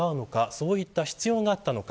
そういった必要があったのか。